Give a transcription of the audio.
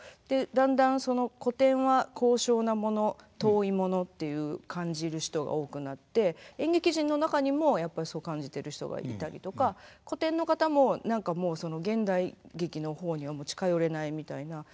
でだんだん古典は高尚なもの遠いものっていう感じる人が多くなって演劇人の中にもやっぱりそう感じてる人がいたりとか古典の方も何かもう現代劇の方には近寄れないみたいな。